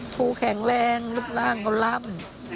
ครูแข็งแรงรูปร่างเขาล่ำ